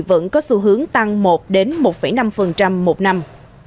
vẫn có xu hướng tăng một một năm một năm